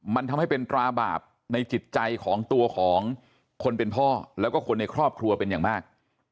มันทำให้เป็นตราบาปในจิตใจของตัวของคนเป็นพ่อแล้วก็คนในครอบครัวเป็นอย่างมาก